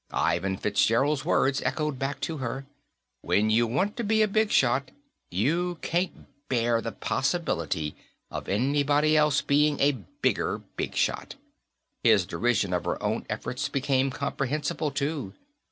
Ivan Fitzgerald's words echoed back to her when you want to be a big shot, you can't bear the possibility of anybody else being a bigger big shot. His derision of her own efforts became comprehensible, too.